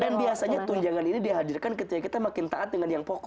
dan biasanya tunjangan ini dihadirkan ketika kita makin taat dengan yang lainnya ya